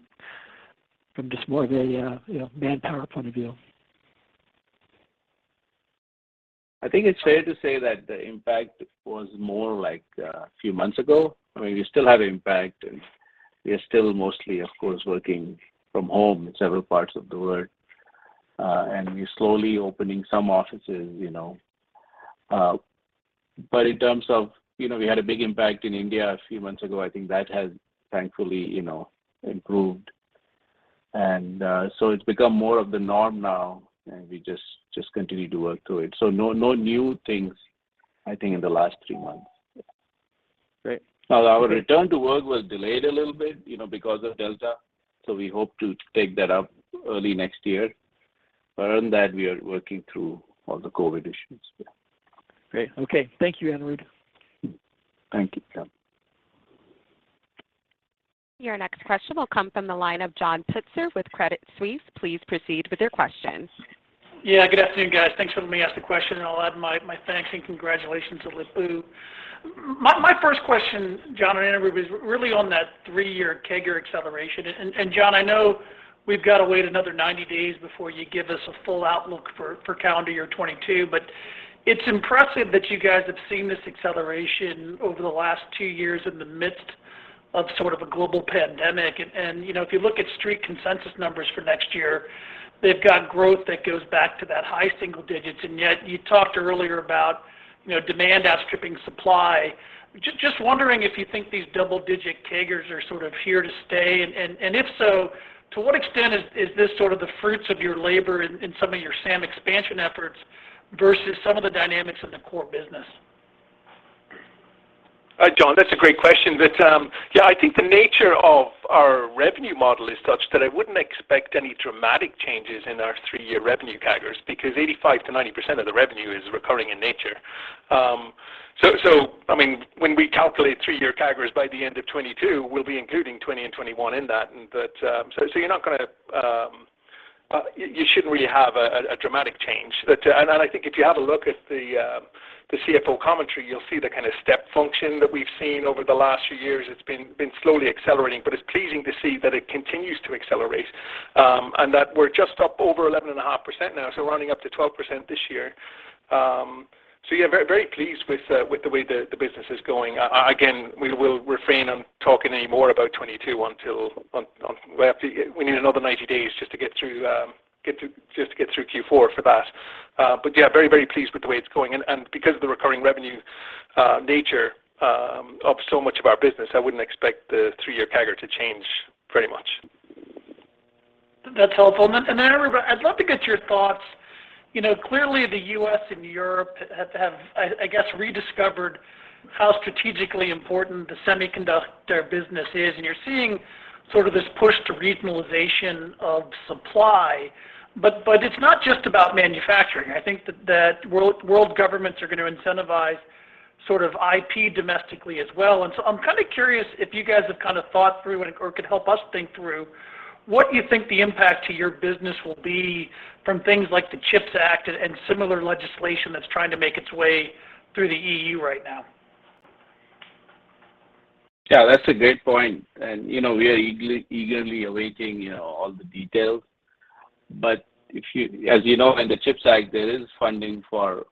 just more of a manpower point of view? I think it's fair to say that the impact was more like a few months ago. We still have impact, and we are still mostly, of course, working from home in several parts of the world. We're slowly opening some offices. In terms of we had a big impact in India a few months ago, I think that has thankfully improved. It's become more of the norm now, and we just continue to work through it. No new things, I think, in the last three months. Our return to work was delayed a little bit because of Delta, so we hope to take that up early next year. Other than that, we are working through all the COVID issues. Great. Okay. Thank you, Anirudh. Thank you, Tom. Your next question will come from the line of John Pitzer with Credit Suisse. Please proceed with your question. Good afternoon, guys. Thanks for letting me ask the question, and I'll add my thanks and congratulations to Lip-Bu. My first question, John and Anirudh, is really on that three-year CAGR acceleration. John, I know we've got to wait another 90 days before you give us a full outlook for calendar year 2022, but it's impressive that you guys have seen this acceleration over the last two years in the midst of sort of a global pandemic. If you look at street consensus numbers for next year, they've got growth that goes back to that high single digits, yet you talked earlier about demand outstripping supply. Just wondering if you think these double-digit CAGRs are sort of here to stay, and if so, to what extent is this sort of the fruits of your labor in some of your SAM expansion efforts versus some of the dynamics of the core business? John, that's a great question. I think the nature of our revenue model is such that I wouldn't expect any dramatic changes in our three-year revenue CAGRs because 85%-90% of the revenue is recurring in nature. So, when we calculate three-year CAGRs by the end of 2022, we'll be including 2020 and 2021 in that, and so you shouldn't really have a dramatic change. I think if you have a look at the CFO commentary, you'll see the kind of step function that we've seen over the last few years. It's been slowly accelerating, but it's pleasing to see that it continues to accelerate, and that we're just up over 11.5% now, so rounding up to 12% this year. Yeah, very pleased with the way the business is going. Again, we will refrain on talking anymore about 2022. We need another 90 days just to get through Q4 for that. Yeah, very, very pleased with the way it's going, and because of the recurring revenue nature of so much of our business, I wouldn't expect the three-year CAGR to change very much. That's helpful. Anirudh, I'd love to get your thoughts. Clearly the U.S. and Europe have, I guess, rediscovered how strategically important the semiconductor business is, and you're seeing sort of this push to regionalization of supply. It's not just about manufacturing. I think that world governments are going to incentivize sort of IP domestically as well. I'm kind of curious if you guys have kind of thought through, or could help us think through, what you think the impact to your business will be from things like the CHIPS Act and similar legislation that's trying to make its way through the EU right now. Yeah, that's a great point, and we are eagerly awaiting all the details. As you know, in the CHIPS Act, there is funding for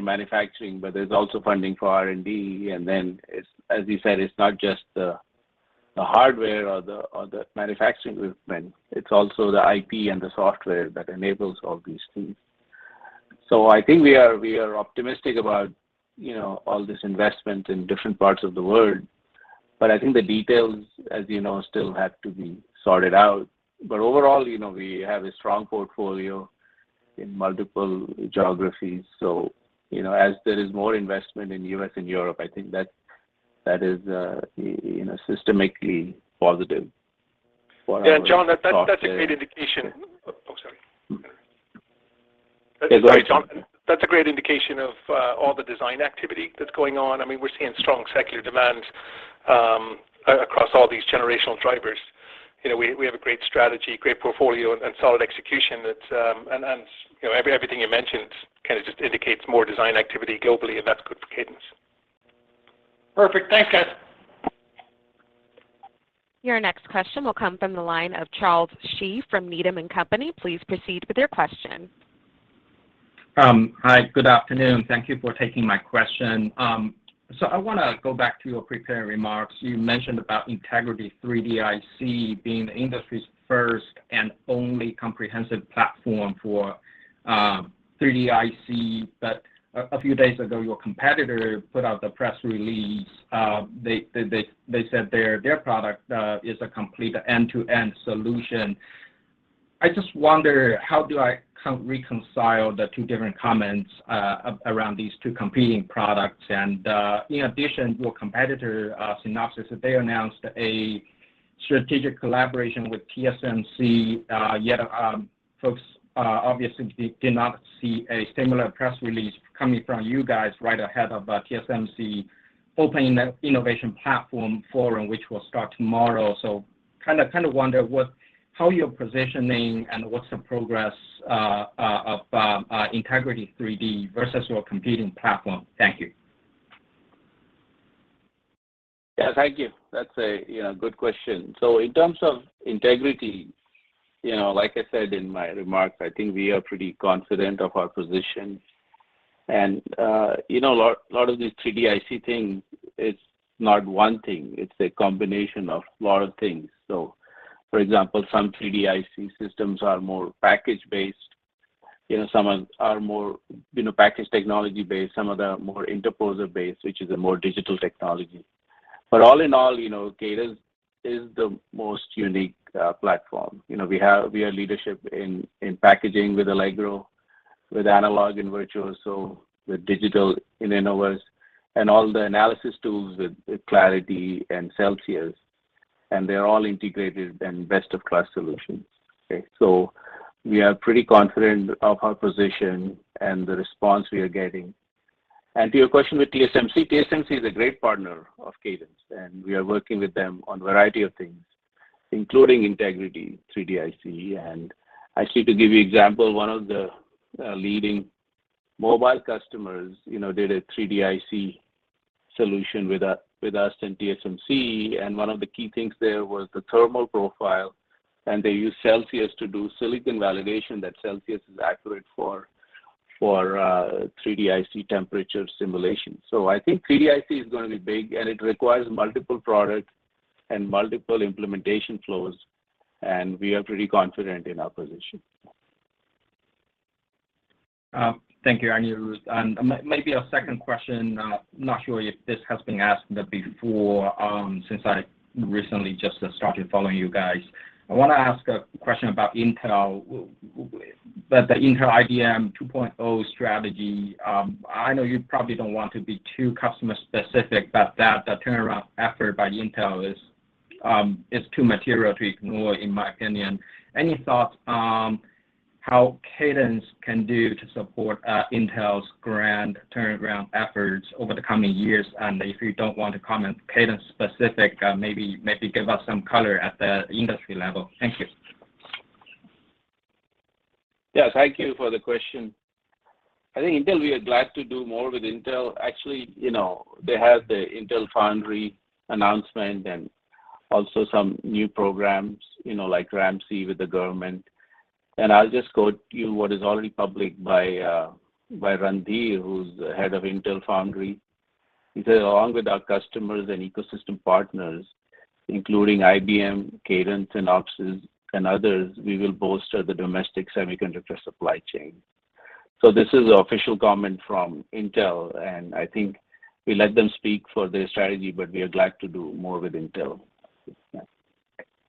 manufacturing, but there's also funding for R&D, and then as you said, it's not just the hardware or the manufacturing equipment, it's also the IP and the software that enables all these things. I think we are optimistic about all this investment in different parts of the world. I think the details, as you know, still have to be sorted out. Overall, we have a strong portfolio in multiple geographies, so as there is more investment in U.S. and Europe, I think that is systemically positive. Yeah. John, that's a great indication. Oh, sorry. Yes, go ahead, John. That's a great indication of all the design activity that's going on. We're seeing strong secular demand, across all these generational drivers. We have a great strategy, great portfolio, and solid execution. Everything you mentioned kind of just indicates more design activity globally, and that's good for Cadence. Perfect. Thanks, guys. Your next question will come from the line of Charles Shi from Needham & Company. Please proceed with your question. Hi, good afternoon. Thank you for taking my question. I want to go back to your prepared remarks. You mentioned about Integrity 3D-IC being the industry's first and only comprehensive platform for 3D-IC. A few days ago, your competitor put out the press release. They said their product is a complete end-to-end solution. I just wonder, how do I kind of reconcile the two different comments, around these two competing products? In addition, your competitor, Synopsys, they announced a strategic collaboration with TSMC, yet folks obviously did not see a similar press release coming from you guys right ahead of TSMC opening the innovation platform forum, which will start tomorrow. kind of wonder how you're positioning and what's the progress of Integrity 3D versus your competing platform. Thank you. Thank you. That's a good question. In terms of Integrity, like I said in my remarks, I think we are pretty confident of our position. A lot of these 3D-IC things, it's not one thing, it's a combination of a lot of things. For example, some 3D-IC systems are more package-based. Some are more package technology-based. Some of them are more interposer-based, which is a more digital technology. All in all, Cadence is the most unique platform. We have leadership in packaging with Allegro, with analog and Virtuoso, with digital in Innovus, and all the analysis tools with Clarity and Celsius, and they're all integrated and best-of-class solutions. Okay. We are pretty confident of our position and the response we are getting. To your question with TSMC, TSMC is a great partner of Cadence, and we are working with them on a variety of things, including Integrity 3D-IC. I see, to give you example, one of the leading mobile customers did a 3D-IC solution with us and TSMC, and one of the key things there was the thermal profile, and they used Celsius to do silicon validation, that Celsius is accurate for 3D-IC temperature simulation. I think 3D-IC is going to be big, and it requires multiple products and multiple implementation flows, and we are pretty confident in our position. Thank you, Anirudh. Maybe a second question, not sure if this has been asked before, since I recently just started following you guys. I want to ask a question about Intel. The Intel IDM 2.0 strategy. I know you probably don't want to be too customer specific, but that turnaround effort by Intel is too material to ignore, in my opinion. Any thoughts on how Cadence can do to support Intel's grand turnaround efforts over the coming years? If you don't want to comment Cadence specific, maybe give us some color at the industry level. Thank you. Yes, thank you for the question. I think Intel, we are glad to do more with Intel. Actually, they have the Intel Foundry announcement and also some new programs, like RAMP-C with the government. I'll just quote you what is already public by Randhir, who's the Head of Intel Foundry. He said, "Along with our customers and ecosystem partners, including IBM, Cadence, Synopsys, and others, we will bolster the domestic semiconductor supply chain." This is an official comment from Intel, and I think we let them speak for their strategy, but we are glad to do more with Intel.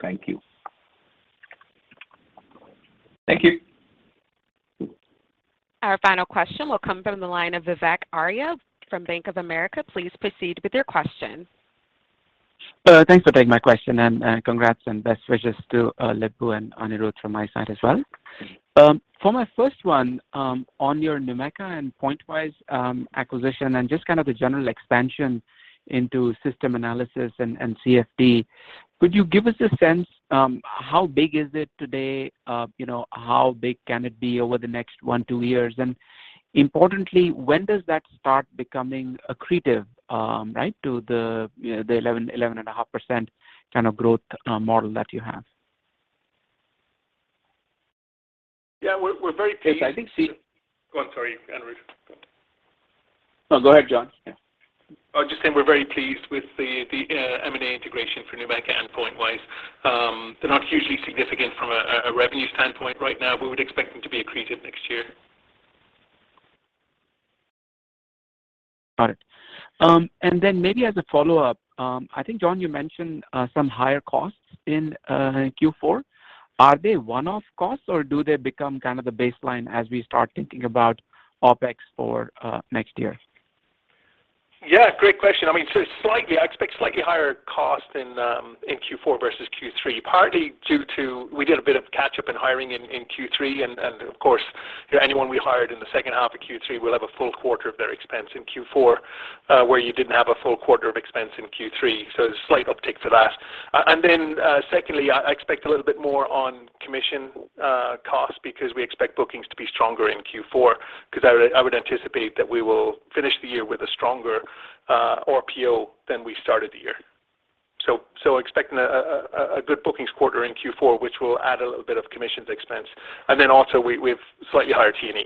Thank you. Thank you. Our final question will come from the line of Vivek Arya from Bank of America. Please proceed with your question. Thanks for taking my question and congrats and best wishes to Lip-Bu and Anirudh from my side as well. For my first one, on your NUMECA and Pointwise acquisition, and just kind of the general expansion into system analysis and CFD, could you give us a sense, how big is it today? How big can it be over the next one, two years? Importantly, when does that start becoming accretive, right, to the 11.5% kind of growth model that you have? Yeah, we're very pleased. I think. Go on. Sorry, Anirudh. No, go ahead, John. Yeah. I was just saying we're very pleased with the M&A integration for NUMECA and Pointwise. They're not hugely significant from a revenue standpoint right now. We would expect them to be accretive next year. Got it. Maybe as a follow-up, I think, John, you mentioned some higher costs in Q4. Are they one-off costs or do they become kind of the baseline as we start thinking about OpEx for next year? Great question. I expect slightly higher costs in Q4 versus Q3, partly due to, we did a bit of catch-up in hiring in Q3, and of course, anyone we hired in the second half of Q3 will have a full quarter of their expense in Q4, where you didn't have a full quarter of expense in Q3. There's a slight uptick for that. Secondly, I expect a little bit more on commission costs because we expect bookings to be stronger in Q4, because I would anticipate that we will finish the year with a stronger RPO than we started the year. Expecting a good bookings quarter in Q4, which will add a little bit of commissions expense. Also we have slightly higher T&E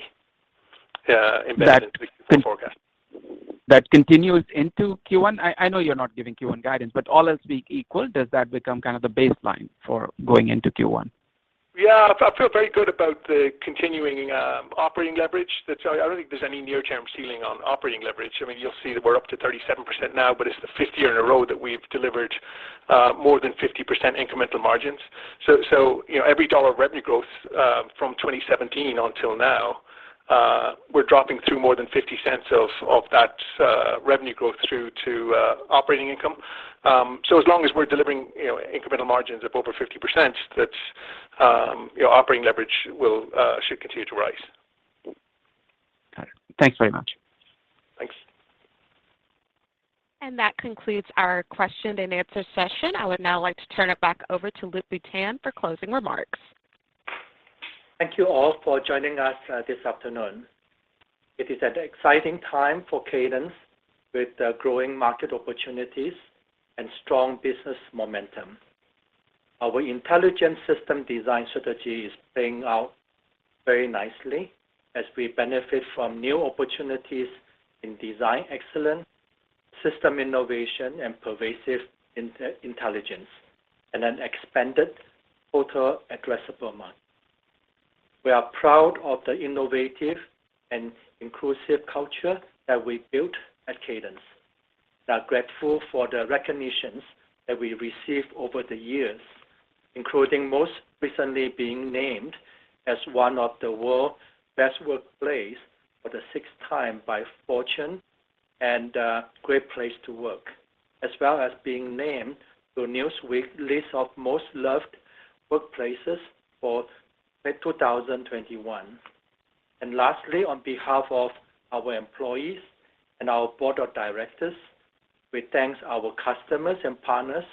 investment in the forecast. That continues into Q1? I know you're not giving Q1 guidance. All else being equal, does that become kind of the baseline for going into Q1? I feel very good about the continuing operating leverage. I don't think there's any near-term ceiling on operating leverage. You'll see that we're up to 37% now, but it's the fifth year in a row that we've delivered more than 50% incremental margins. Every dollar of revenue growth from 2017 until now, we're dropping through more than $0.50 of that revenue growth through to operating income. As long as we're delivering incremental margins of over 50%, operating leverage should continue to rise. Got it. Thanks very much. Thanks. That concludes our question-and-answer session. I would now like to turn it back over to Lip-Bu Tan for closing remarks. Thank you all for joining us this afternoon. It is an exciting time for Cadence with the growing market opportunities and strong business momentum. Our intelligent system design strategy is playing out very nicely as we benefit from new opportunities in design excellence, system innovation, and pervasive intelligence, an expanded total addressable market. We are proud of the innovative and inclusive culture that we've built at Cadence, are grateful for the recognitions that we received over the years, including most recently being named as one of the World's Best Workplaces for the sixth time by Fortune and a great place to work, as well as being named to Newsweek list of Most Loved Workplaces for 2021. Lastly, on behalf of our employees and our board of directors, we thank our customers and partners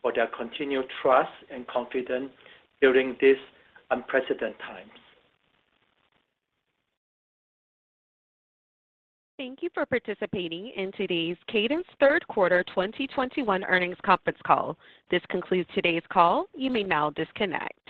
for their continued trust and confidence during this unprecedented times. Thank you for participating in today's Cadence third quarter 2021 earnings conference call. This concludes today's call. You may now disconnect.